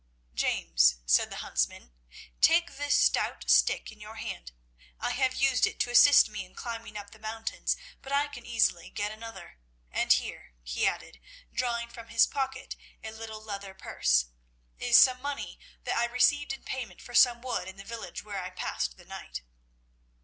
"James," said the huntsman, "take this stout stick in your hand. I have used it to assist me in climbing up the mountains, but I can easily get another. And here," he added, drawing from his pocket a little leather purse, "is some money that I received in payment for some wood in the village where I passed the night."